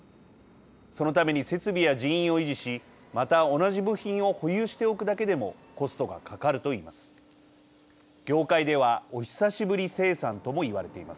そのために設備や人員を維持しまた、同じ部品を保有しておくだけでもコストがかかると言います。